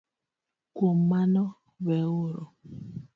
Kuom mano, weuru